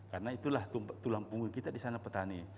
karena itulah tulang punggung kita di sana petani